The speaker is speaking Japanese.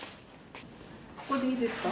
ここでいいですか？